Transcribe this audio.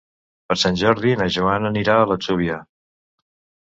Per Sant Jordi na Joana anirà a l'Atzúbia.